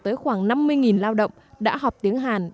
tới khoảng năm mươi lao động đã họp tiếng hàn